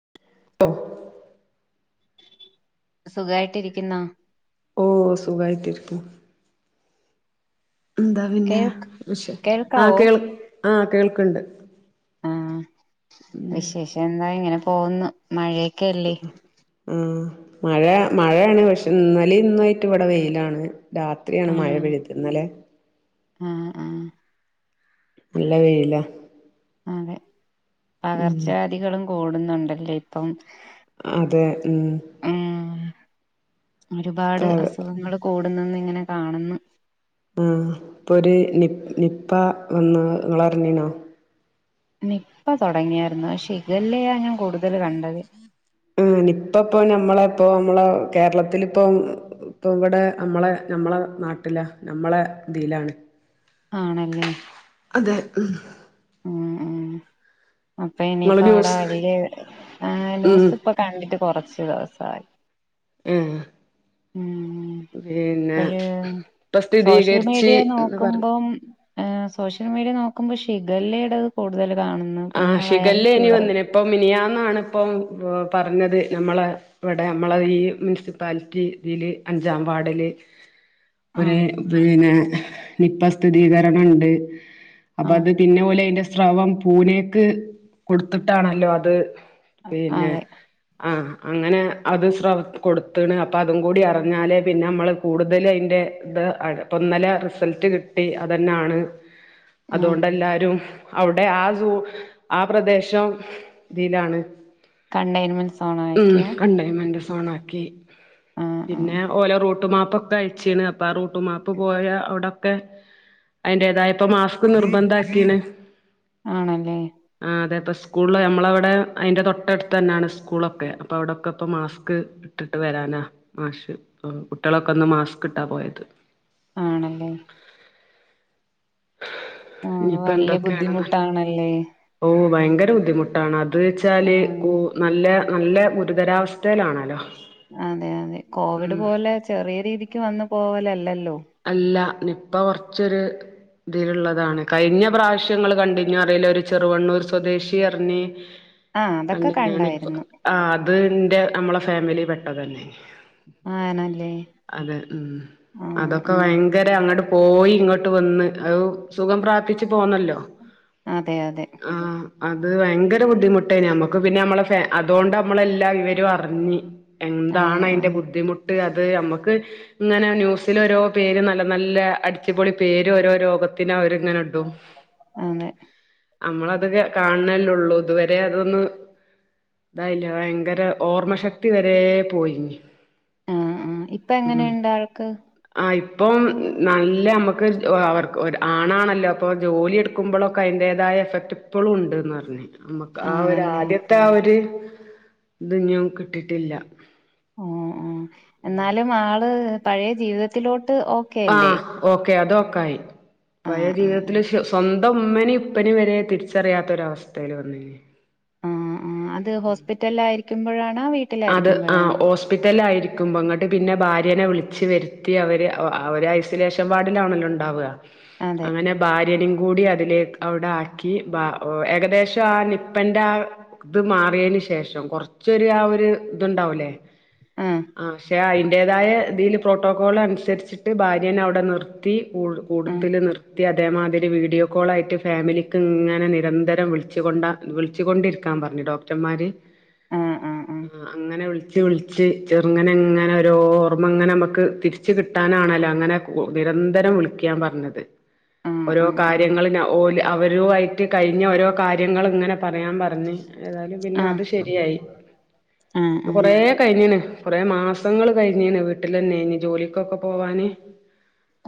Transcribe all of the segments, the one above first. [inaudible] സുഖായിട്ടിരിക്കുന്നോ ഓ സുഖായിട്ടിരിക്കുന്ന് എന്താ പിന്നെ കേൾ ആ കേൾക്കാവോ കേൾ ആഹ് കണ്ട് ആഹ് വിശേഷം എന്താ, ഇങ്ങനെ പോകുന്നു പോവുന്നു മഴേക്ക ല്ലേ ഉം മഴ മഴയാണ് പക്ഷെ ഇന്നലെയും ഇന്നു മായിട്ട് ഇവിടെ വെയിലാണ് രാത്രിയാണ് മഴ ആഹ് പെയഴുതത് ഇന്നലേ ആഹ് ആഹ് നല്ല വെയില അതെ പകർച്ചവ്യാധികളും ഓടുന്നുണ്ടല്ലേ ഇപ്പം അതെ ഉം ആഹ് ഒരുപാട് ആഹ് അസുഖങ്ങൾ കൂട അന്ന് അന്ന് ഇങ്ങനെ കാണുന്നു ആഹ് ഇപ്പൊ ഒര് നി നിപ്പ വന്ന് നിങ്ങളറിഞ്ഞി ണോ നിപ്പ തൊടങ്ങ്യെയായിരുന്നു പക്ഷെ ശില്ലയാ ഞാൻ കൂടുതൽ കണ്ടത് ഉം നിപ്പ ഇപ്പോ ഞമ്മളെ ഇപ്പോ നമ്മള കേരളത്തിലിപ്പോ ഇപ്പ ഇവിടെ നമ്മളെ നമ്മളെ നാട്ടിലാ നമ്മളെ ഇതിലാണ് ആണല്ലേ അതെ ഉം ഉം അപ്പൊ ഇങ്ങള് ഇനിയിപ്പോ അവിടെ ന്യൂസ് വലിയ ഉം ന്യൂസ് ഇപ്പൊ കണ്ടിട്ട് കുറച്ച്. [unintelligible] ഉം ഉം പിന്നെ ഇപ്പഴ് ഇപ്പൊ സ്ഥിതീകരിച്ച് എന്ന് പറഞ്ഞു. അഹ് സോഷ്യൽ മീഡിയ നോക്കുമ്പോ ഷിഗെല്ലയുടേത് കൂടുതല്. ആഹ് ഇനി ഷിഗെല്ല വന്നെനിപ്പം മിനിഞ്ഞാന്ന്. എന്നാണിപ്പം പറഞ്ഞത് നമ്മള് ഇവിടെ നമ്മള് ഈ മുനിസിപ്പാലിറ്റിയി തില് അഞ്ചാം വാർഡില്. ആഹ് ഒരു പിന്നെ നിപ്പ സ്ഥിതീകരണമുണ്ട്. അപ്പൊ ആഹ് അത് പിന്നെ പോലെ ഓല് ഏൽപ്പി റവും പൂനേക്ക് കൊടുത്തിട്ടാണല്ലോ അത്. പിന്നെ അതെ ആഹ് അങ്ങനെ. അത്ത് സ്രവം കൊടുത്തണ് അപ്പം അതും കൂടി അറിഞ്ഞാലെ പിന്നെ നമ്മൾ കൂടുതൽ അതിൻ്റെ ഇത് അപ്പം ഇന്നലെ റിസൾട്ട് കിട്ടി അത് തന്നെയാണ്. ആഹ് അതുകൊണ്ട് എല്ലാരും അവിടെ ആ [unintelligible] ആ പ്രദേശം ഇതിലാണ്. കണ്ടെയൻമെന്റ് സോൺ ഉം ആക്കിയ കണ്ടെയ്ൻമെന്റ് സോണാക്കി. ആഹ് ആഹ് പിന്നെ ഓല റൂട്ട് മാപ് പ്പൊക്കെ അഴിച്ചിണ് അപ്പ ആ റൂട്ടുമാപ്പ് പോയ അവിടൊക്കെ അതിന്റെതായപ്പോ മാസ്ക് നിർബന്ധം ആക്കിണ്. ആണല്ലേ? സ്കൂള് ഞമ്മളവിടെ അതിന്റെ തൊട്ടടുത്ത് തന്നെയാണ് സ്കൂളൊക്കെ, അപ്പ അവിടൊക്കെ ഇപ്പ മാസ്ക് ഇട്ടിട്ട് വരാനാ മാഷ് കുട്ടികളൊക്കെ ഇന്ന് മാസ്ക് ഇട്ടാ പോയത്. ആണല്ലേ? ആഹ് ഇനിയിപ്പ വല്യ എന്തൊക്കെയാണെന്നല്ല ബുദ്ധിമുട്ടാണല്ലേ ഓ ഭയങ്കര ബുദ്ധിമുട്ടാണ് അത് ന്ന് വെച്ചാല് ആഹ് കൂ നല്ല നല്ല ഗുരുതരാവസ്ഥയിലാണലോ. അതെ അതെ കോവിഡ് പോലെ ചെറിയ രീതിക്ക് വന്ന് പോവലല്ല ഇല്ലല്ലോ അല്ല നിപ്പ കുറച്ചൊരു ഇതിലുള്ളതാണ് കഴിഞ്ഞ പ്രാവശ്യങ്ങള് കണ്ടഞ്ഞ അറിയില്ലേ ഒരു ചെറുവണ്ണൂർ സ്വദേശി അറിഞ്ഞി ആഹ് അതൊക്കെ കണ്ട് ഞാനിപ്പോ കണ്ടായിരുന്നു ആ അത് ന്റെ നമ്മള ഫാമിലി പെട്ട തന്നെ ആ നൻ അതെ ഉം അതൊക്കെ ആഹ് വയങ്കര അങ്ങട് പോയി ഇങ്ങട്ട് വന്ന് അഹ് സുഖം പ്രാപിച്ച് പോന്നല്ലോ അതെ അതെ ആഹ് അത് വയങ്കര ബുദ്ധിമുട്ടേ ഞമ്മക്ക് പിന്നെ നമ്മളെ ഫാ അതോണ്ട് നമ്മളെല്ലാ വിവരും അറിഞ് എന്താണ് ആഹ് അയിന്റെ ആഹ് ബുദ്ധിമു ട്ട് അത് ത് അമ്മക്ക് ഇങ്ങനെ ന്യുസിലൊരോ പേര് നല്ല നല്ല അടിച്ചുപൊളി പേര് ഓരോ രോഗത്തിന് അവര് ങ്ങെനെടു അതെ നമ്മളതക്കെ കാൺണെ ല്ലെള്ളു ഇതുവരെ അതൊന്ന് ഇതായില്ല വയങ്കര ഓർമ്മ ശക്തി വരേ പോയിഞ് ആഹ് ആഹ് ഇപ്പം എങ്ങനെയുണ്ട് ആൾക്ക് ആഹ് ഇപ്പം നല്ല നമുക്ക് അവർക്ക് ഒരു ആണാണല്ലോ പ്പോ ജോലി എടുക്കുമ്പോളൊക്കെ അയിൻ്റേതായ എഫക്ട് ഇപ്പളുണ്ട് ന്ന്ർഞ് മ്മക്ക് ആ ഒരു ആണല്ലേ ആദ്യത്തെ ആ ഒര് ഇത് ഇനിം കിട്ടിട്ടില്ല. ആഹ് ആഹ് എന്നാലും ആള് പഴയ ജീവിതത്തിലോ ആഹ് ഓക്കെ അത് ഒ ക്കായി. പഴയ ആഹ് ആഹ് ജീവിതത്തില് ശോ സ്വന്ത ഇപ്പൊമ്മനീം ഇപ്പനീം വരെ തിരിച്ചറിയാത്തൊരവസ്ഥയിൽ വന്നിരിക്കു ആ ആ അത് ഹോസ്പിറ്റലയി ക്കുമ്പഴാ അത് ആ ഹോസ്പിറ്റലയിരിക്കുമ്പൊ ങ്ങ്ട്ട് പിന്നെ ഭാര ര്യനെ വിളിച്ച് വരുത്തി അവര് അവര് ഐസൊലേഷൻ വാർഡിലാണല്ലോ ണ്ടാവ അതെ അങ്ങനെ ഭാര്യടിം കൂടി അതിലേക് അവിടെ ആക്കി ബാ ഏകദേശം ആ നിപ്പന്റെ ആ ഇത് മാറിയതിന് ശേഷം കുറച്ചോരു ആ ഒരു ഇതുണ്ടാവുലേ ആഹ് ക്ഷേ അയി ന്റെതായ ഇതിൽ പ്രോട്ടോക്കോ അനുസരിച്ചിട്ട് ഭാര്യനെ അവിടെ നിർത്തി കുൾ ആഹ് കൂടുതൽ നിർത്തി തേമാതിരി വീഡിയോ കോളായിട്ട് ഫാമിലിക്ക് ഇങ്ങനെ നിരന്തരം വിളിച്ച് കൊണ്ട വിളിച്ചു കൊണ്ടിരിക്കാൻ പറഞ്ഞു ഡോക്ടർമാര് ആ ആ ആ അങ്ങനെ വിളി ച്ച് വിളിച്ച് ചെറുങ്ങനെ ഇങ്ങനെ ഒരോ ഓർമ്മങ്ങനെ നമുക്ക് തിരിച്ച് കിട്ടാനാണല്ലോ അങ്ങനെ നിരന്തരം വിളിക്കാൻ പറഞ്ഞത് ആഹ് ഓരോ ആഹ് കാര്യങ്ങള് ന ഓല് അവരുവായിട്ട് കഴിഞ്ഞ ഒരോ കാര്യങ്ങള്ങ്ങനെ പറയാൻ പറഞ്ഞ് ഏതായാലും പിന്നെ ആഹ് ആഹ് അത് ശരിയായി ആഹ് ആഹ് കൊറെ കഴിഞ്ഞ് ന് കൊറെ മാസങ്ങള് കഴിഞ്ഞീന് വീട്ടിലന്നെയിന് ജോലിക്കൊക്കെ പോവാന്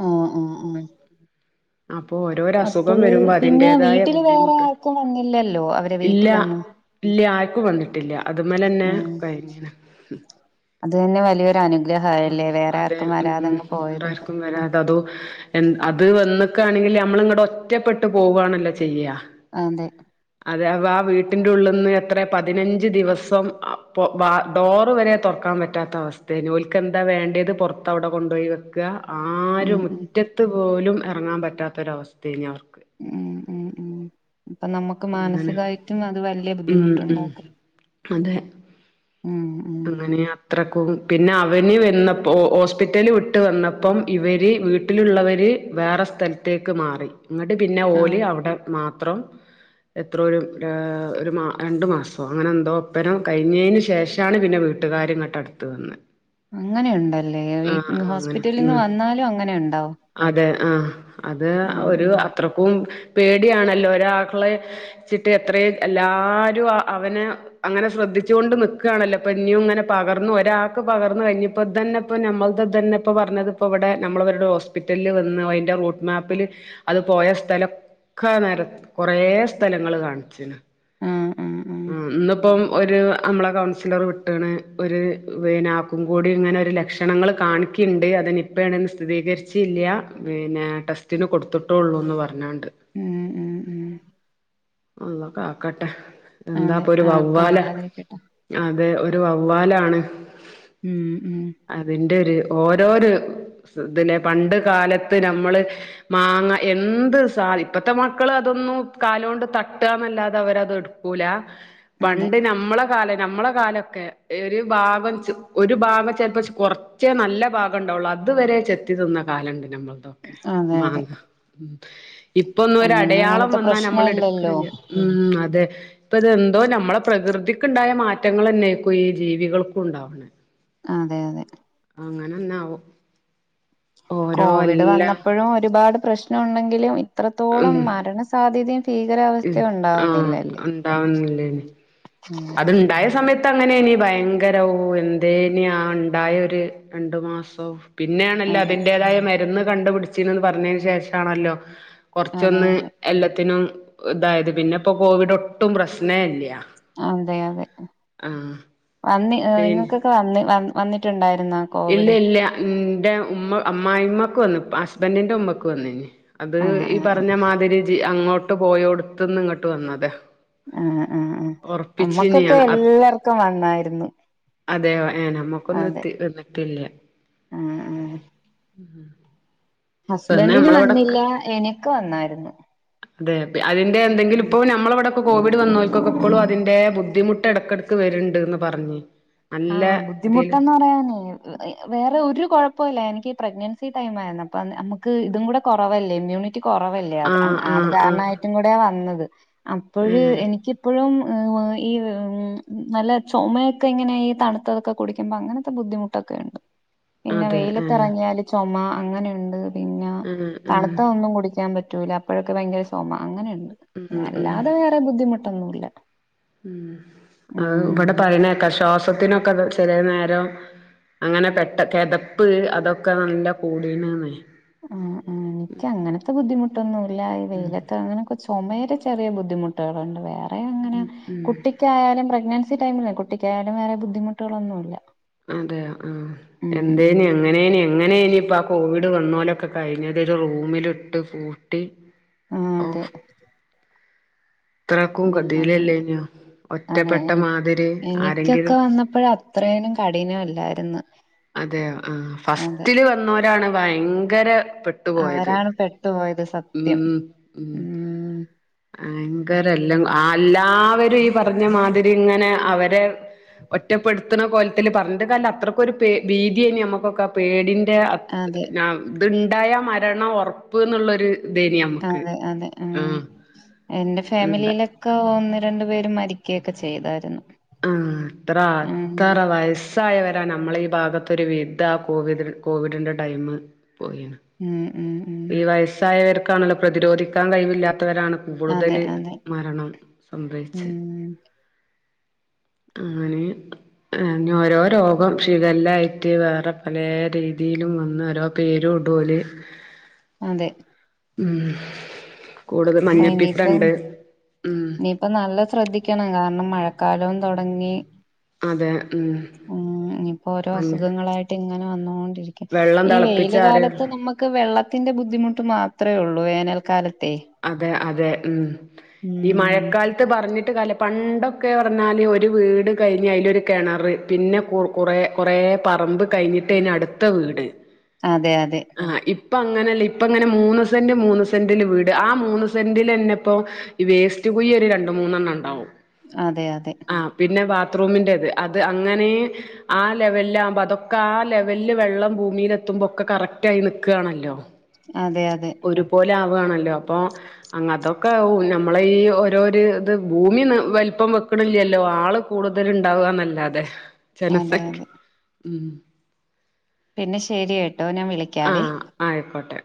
ആ ആ ആ അപ്പൊ ഓരോരസുഖം വരുമ്പോ പിന്നെ അതിന്റതായ വീട്ടില് വേറെ ബുദ്ധിമുട്ട് ആർക്കും വന്നില്ലല്ലോ അവരെ ഇല്ല വീട്ടിലൊന്നും ഇല്ല ആർക്കും വന്നിട്ടില്ല അത് മേലന്നെ ഉം കഴിഞ്ഞിന്ന് അത് തന്നെ വലിയൊരു ഉം അനുഗ്രഹായല്ലേ വേറെ അതെ ആർക്കും ഉം വരാതങ്ങ് പോയത് വേറാർക്കും വരാതെതോ എൻ അത് വന്ന് ക്കാണെങ്കില് നമ്മള്ങ്ങട് ഒറ്റപ്പെട്ട് പോവാണല്ലോ ചെയ്യാ അതെ അതെ അവാ ആ വീട്ടിൻ്റെ ഉള്ളിന്ന് എത്രെ പതിനഞ്ച് ദിവസം അ പൊ വാ ഡോറ് വരെ തൊറക്കാൻ പറ്റാത്ത അവസ്ഥേനു ഓൽക്കെന്താ വേണ്ടേത് പുറത്ത് അവടെ കൊണ്ടോയി വെക്ക ഉം ആരും ഉം മുറ്റത്ത് പോലും എർങ്ങാ പറ്റ പറ്റാത്തൊരവസ്തേനി അവ ഉം ഉം ഉം. ഇപ്പൊ നമ്മുക്ക് അങ്ങനെ മാനസികായിട്ടും അത് വല്യ ഉം ഉം ബുദ്ധിമുട്ടുണ്ടാക്കും. അതെ ഉം ഉം അങ്ങനെ അത്രക്കോ പിന്നെ അവന് വന്നപ്പോ ഹോസ്പിറ്റല് വിട്ട് വന്നപ്പം ഇവര് വീട്ടിലുള്ളവര് വേറെ സ്ഥലത്തേക്ക് മാറി. ഇങ്ങട്ട് പിന്നെ ഓലി ആഹ് അവിടെ മാ എത്രോ എത്രോ ഒരു രണ്ട് മാസോ അങ്ങനെന്തോ ഒപ്പരം കഴിഞ്ഞേന് ശേഷ ആണ് പിന്നെ വീട്ടുകാര് ങ്ങട്ട് അട് ത്ത് വന്നേ. അങ്ങനെയുണ്ടല്ലേ വീ ആഹ് ആഹ് അങ്ങനെ ഹോസ്പിറ്റലിൽ നിന്ന് ഉം വന്നാലും അങ്ങനെ ഉണ്ടാവോ അതെ ആഹ് അത് ഉം ഒരു ഉം അത്രക്കും പേടിയാണല്ലോ ഒരാളെ ചിട്ട് എത്രയും എല്ലാരും അവനെ അങ്ങനെ ശ്രദ്ധിച്ചുകൊണ്ട് നി ക്കാണല്ലോ അപ്പൊ ഇന്നും ഇങ്ങനെ പകർന്നു ഒരാൾക്ക് പകർന്നു കഴിഞ്ഞപ്പോ തന്നെ ഇപ്പോ നമ്മൾ തന്നെ ഇപ്പോ പറഞ്ഞത് ഇപ്പ ഇവിടെ നമ്മൾ അവരുടെ ഹോസ്പിറ്റലില് വന്ന് അതിന്റെ റൂട്ട് മാപ്പില് അത് പോയ സ്ഥലൊക്കെ നേര കൊറേ സ്ഥലങ്ങള് കാണിച്ചീണ് ആഹ് ആഹ് ആഹ് ആ ഇന്ന്പ്പം ഒരു അമ്മളെ കൗൺസിലർ വിട്ട്ണ്. ഒരു പിന്നെ ആക്കും കൂടി ഇങ്ങനെ ഒരു ലക്ഷണങ്ങള് കാണിക്കിണ്ട്. അതിനി നിപ്പ ആണെന്ന് സ്ഥിരീകരിച്ചല്ല പിന്നെ ടെസ്റ്റിന് കൊടുത്തിട്ടോള്ളൂന്ന് പർഞ്ഞാണ്ട്. ഉം ഉം ഉം. അള്ളൊ കാക്കട്ടെ. അതെ എന്താപ്പൊ ഒരു ആർക്കും വവ്വാല വരാതിരിക്കട്ടെ അതെ ഒരു വവ്വ വാലാണ്. ഉം ഉം അതിന്റെ ഒരു ഓ ഓരോരു ഇതിലെ പണ്ട് കാലത്ത് നമ്മള് മാങ്ങ എന്ത് സ ഇപ്പത്തെ മക്കൾ അതൊന്നും കാല കൊണ്ട് തട്ടുക എന്നല്ലാതെ അവരത് എടു ക്കൂല. അതെ പണ്ട് നമ്മളെ കാല നമ്മളെ കാലൊക്കെ ഒരു ഭാഗം ഒരു ഭാഗം ചെലപ്പ കുറച്ചേ നല്ല ഭാഗം ഉണ്ടാവുള്ളു അതുവരെ ചെത്തി തിന്ന കാലമുണ്ട്. നമ്മളതൊക്കെ അതെ അതെ മാങ്ങ ഇപ്പൊന്നും ഒരു അന്നൊന്നും അടയാളം അങ്ങനത്തെ വന്നാ നമ്മൾ പ്രശ്നം ഇല്ലല്ലോ എടുക്കണില്ലേ ഉം അതെ. ഇപ്പ ഇതെന്തോ നമ്മളെ പ്രകൃതിക്കുണ്ടായ മാറ്റങ്ങൾന്നെ ആക്കും ഈ ജീവികൾക്കും ഉണ്ടാവണെ അതെ അതെ. അങ്ങനെന്നാവും. കോവിഡ് വന്നപ്പോഴും ഒരുപാട് പ്രശ് പ്രശ്നമുണ്ടെങ്കിലും ഉം എത്രത്തോളം മരണ സാധ്യതയും ആഹ് ഇണ്ടാവുന്നില്ലേ ഉം ഉം അത്ണ്ടായ സമയത്ത് ഇപ്പങ്ങനേനി ഭയങ്കര്വാ എന്തേനി ആഹ് ഇണ്ടായൊര് രണ്ട് മാസൊം. പിന്നെ ആണല്ലോ അതെ അതിന്റേതായ മരുന്ന് കണ്ടുപിടിച്ചീന്നത് പറഞ്ഞതിന് ശേഷാണല്ലോ അതെ കുറച്ചൊന്ന് അതെ എല്ലത്തിനും തായത് പിന്നെ ഇപ്പോ കോവിഡോട്ടും പ്രശ്നേല്ല്യ അതെ അതെ വന്നി ഹ് ങ്ങക്കൊക്കെ അന്ന്‌ വാ വന്നിട്ടുണ്ടായിരു ഇല്ലെ ഇല്ല ഇന്റെ ഉമ്മ ഹ് അം മ്മായിയമ്മക്ക് വന്ന്പ്പ ഹസ്ബന്റിന്റെ ഉമ്മക്ക് വന്നീനി. അത് ആഹ് ഈ ആഹ് പറഞ്ഞ മാതിരി ജ് അങ്ങോട്ട് പോയോട്ത്ത്ന്ന് ഇങ്ങട്ട് വന്നത എഹ് എഹ് എഹ് നമ്മക്കൊക്കെ എല്ലാർക്കും വന്നായിരുന്നു അതെ ഏഹ് നമുക്കൊന്നും എത്തി എത് എഹ് എഹ് ഉം ഹസ്ബൻഡിന് വന്നില്ല. എനക്ക് വന്നായ്രുന്നു. അതേബ്യ അതിന്റെ എന്തെങ്കിലും പ്പോൾ നമ്മളെ ഇവടൊ കോവിഡ് വന്നോൽക്കൊക്കെ ഇപ്പളും അതിന്റെ ബുദ്ധിമുട് ഇടക്കിടക്ക് വരുണ്ട് എന്ന് പറഞ്ഞു. ആഹ് ബുദ്ധിമുട്ടെന്ന് പറയാന്. വേറെ ഒരു കൊഴപ്പമില്ല എനിക്ക് പ്രെഗ്നൻസി ടൈം ആയിരുന്നു, അപ്പൊ നമുക്ക് ഇതും കൂടെ കുറവല്ലേ ഇമ്മ്യൂണി റ്റി കുറവല്ലേ അത് ആഹ് അത് ആഹ് ആഹ് കാരണമായിട്ടും കൂടെയ വന്നത്. അപ്പോഴ ആഹ് എനിക്ക് എനിക്കിപ്പോഴും. [unintelligible] നല്ല ചുമയൊക്കെ ഇങ്ങനെയും. തണുത്തതൊക്കെ കുടിക്കുമ്പൊ അങ്ങനത്തെ ബുദ്ധിമുട്ടൊക്കെ ഉണ്ട്. പിന്നെ അതെ ആഹ് വെയിലത്തിറങ്ങിയാല് ചുമ. അങ്ങനെയുണ്ട് ഇത് പിന്നെ ആഹ് ആഹ് തണുത്ത ഒന്നും കുടിക്കാൻ പറ്റ പറ്റൂല അപ്പോഴൊക്കെ ഭയങ്കര ചുമ അങ്ങനെയുണ്ട്. ഉം അല്ലാതെ വേറെ ബുദ്ധിമുട്ട്. ഒന്നുല്ല ഉം അത് ഇവിടെ പറയണ കേക്കാം ശ്വാസ ഇതു ഒക്കെ ചിലനേരം അങ്ങനെ പെട്ട കെതപ്പ് അതൊക്കെ നല്ല കൂടീനൂന്നെ. ഉം ഉം എനിക്ക് അങ്ങനത്തെ ബുദ്ധിമുട്ടൊന്നുമല്ല, ഈ വെയിലത്തെ അങ്ങനെ കൊറച്ചു. ചുമയിടാ ചെറിയ ബുദ്ധിമുട്ടുകളുണ്ട് വേറെ അങ്ങനെ കുട്ടിക്കായാലും പ്രെഗ്നന്റ് ടൈമിൽ കുട്ടിക്കായാലും വേറെ ബുദ്ധിമുട്ടുകളൊന്നുമില്ല. അതെയോ ആഹ് എന്തേ എങ്ങനെ എങ്ങനെനി ഇപ്പ കോവിഡ് കോവിഡ് വന്നൊരൊക്കെ കഴിഞ്ഞത് ഒരു റൂമിലിട്ട് പൂട്ടി ആഹ് അതെ. ഓഹ് ഇത്രക്കും ഗതിയിലല്ലേനോ അതെ ഒറ്റപ്പെട്ട മാതിരി എനിക്കൊക്കെ ആരെങ്കിലും വന്നപ്പോഴ അത്രേനും കഠിനം അല്ലായിരുന്നു. അതെയോ ആഹ് ഫസ്റ്റില് വന്നോരാണ് ഭയങ്കര പെട്ടുപോയത് അവരാണ് പെട്ടു പോയത്. ഉം സത്യം ഉം. ഭയങ്കര എല്ലാം ആ എല്ലാവരും ഈ പറഞ്ഞ മാതിരി ഇങ്ങനെ അവരെ ഒറ്റപ്പെടുത്തണ കൊലത്തില് പറഞ്ഞ കാല അത്രക്കൊ ഒരു ഭീതിയ നമ്മുക്കൊക്കെ പേടിൻ അതെ [unintelligible] ഉണ്ടായ മരണം ഉറപ്പ് എന്നുള്ളൊരു ഇതേനി നമ്മക്ക് അതെ അതെ ഉം ആഹ് എന്റെ ഇണ്ട് ഫാമിലിയിലൊക്കെ വന്ന് രണ്ടു പേര് മരിക്കയൊക്കെ ചെയ്താരുന്നു ആഹ് അത്ര അത്തറ വയസ്സായവ [unintelligible] നമ്മളെ ഈ ഭാഗത്ത് ഒരു വീട്ടാ കോവിദ് കോവിഡിന്റെ ടൈമ് പോയിന് ഉം ഉം ഉം ഈ വയസ്സായവർ [unintelligible] പ്രതിരോധിക്കാൻ കഴിവില്ല ത്തവരാണ് അതെ കൂടുതല് അതെ മരണം സംഭവിച്ച് ഉം അങ്ങനെ ഓരോ രോഗം ഷിഗല്ലായിട്ട് വേറെ പല രീതിയിലും വന്ന് ഓരോ പേരും ഇടും ഓല് അതെ ഉം കൂടുതൽ ആഹ് ഇനിയിപ്പം മഞ്ഞപ്പിത്തണ്ട് ഉം ഇനിയിപ്പ നല്ല ശ്രദ്ധിക്കണം കാ [unintelligible] മഴക്കാലവും തുടങ്ങി അതെ ഉം ഉം ഇനിയിപ്പോ ഓരോ മഞ്ഞ അസുഖങ്ങളായിട്ട് ഇങ്ങനെ വന്നൊണ്ട് [unintelligible] വെള്ളം ഈ വെയില് തിളപ്പിച്ചാറിയ കാലത്ത് നമ്മക്ക് വെള്ളത്തിന്റെ ബുദ്ധിമുട്ട് മാ [unintelligible] ഉള്ളൂ വേനൽക്കാല അതെ അതെ മ് ഈ ഉം മഴക്കാലത്ത് പറഞ്ഞിട്ട് കല പണ് ഇവിടൊക്കെ പറഞ്ഞാല് ഒരു വീട് കഴിഞ്ഞ് അയിലൊരു കെണറ് പിന്നെ കു കൊറെ കൊറെ പറമ്പ് കഴിഞ്ഞിട്ടാന് അടുത്ത വീട്. അതെ അതെ ആഹ് ഇപ്പ അങ്ങനല്ല ഇപ്പ ഇങ്ങനെ മൂന്ന് സെന്റ് മൂന്ന് സെന്റില് വീ ട് ആ മൂന്ന് സെന്റിലെന്നെപ്പോ വേസ്റ്റ് കുഴി ഒരു രണ്ട് മൂന്നെണ്ണണ്ടാവും. അതെ അതെ ആ പിന്നെ ബാ ബാത്റൂമിന്റത് അത് അങ്ങനെ ആ ലെവലിലാകുമ്പോ അതൊക്കെ ആ ലെവലില് വെള്ളം ഭൂമിയിലെത്തുമ്പോക്കെ കറക്റ്റ് ആയി നിക്കാണല്ലോ. അതെ അതെ ഒരുപോലെ ആവാണ ല്ലോ അപ്പോ അങ്ങതൊക്കെ ഉ നമ്മള് ഈ ഓരോരു ഇത് ഭൂമി ഒന്ന് വലിപ്പം വെക്കണില്ലല്ലോ ആള് കൂടുതൽ ഇണ്ടാവുവാന്നല്ലാതെ. അതെ അതെ മ് പിന്നെ ശെരിയട്ട് ട്ടോ ഞാൻ വിളിക്കാവേ. ആ